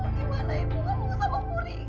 gimana ibu gak mau sama puri